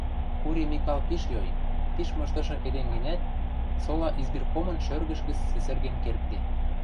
Кури Микал пиш йой, пиш мыштышы эдем гӹнят, сола избиркомын шӧргӹш гӹц сӹсӹрген кердде: